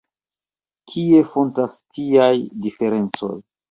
Kie fontas tiaj diferencoj?